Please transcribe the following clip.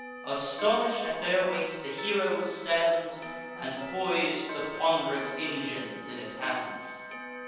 Astonish'd at their weight, the hero stands, And pois'd the pond'rous engines in his hands.